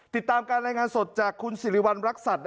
ติดตามการแรงงานสดจากคุณสิริวัลลักษณ์สัตว์